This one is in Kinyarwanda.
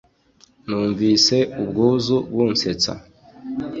nunvise ubwuzu bunsesta